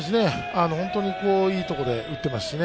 本当にいいところで打ってますね。